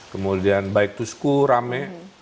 kemudian baik tusku rame